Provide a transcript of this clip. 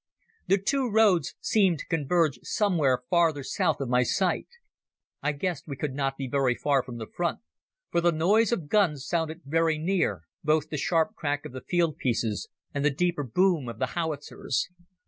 The two roads seemed to converge somewhere farther south of my sight. I guessed we could not be very far from the front, for the noise of guns sounded very near, both the sharp crack of the field pieces, and the deeper boom of the howitzers.